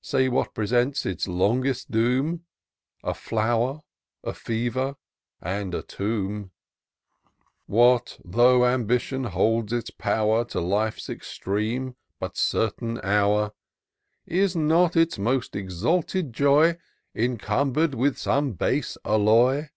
Say, what presents its longest doom ? A flower, a fever, and a tomb !" What, though Ambition holds its pow'r To Life's extreme, but certain hour. Is not its most exalted joy Encumber'd with some base alloy